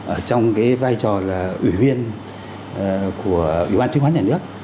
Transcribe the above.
ở trong cái vai trò là ủy viên của ủy ban chứng khoán nhà nước